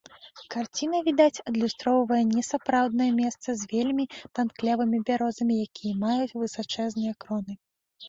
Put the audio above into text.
Карціна, відаць, адлюстроўвае не сапраўднае месца з вельмі танклявымі бярозамі, якія маюць высачэзныя кроны.